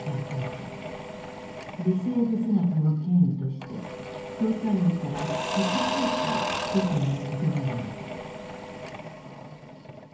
微生物学の権威として捜査員から複数回意見を求められた。